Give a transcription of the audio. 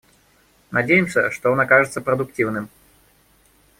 Надеемся, что он окажется продуктивным.